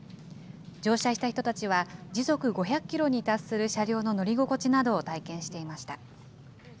乗車した人たちは、時速５００キロに達する車両の乗り心地などを体験していました。